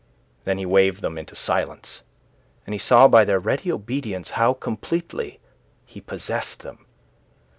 Then he waved them into silence, and saw by their ready obedience how completely he possessed them.